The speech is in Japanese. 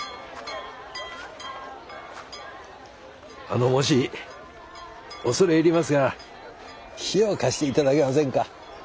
あのもし恐れ入りますが火を貸して頂けませんか？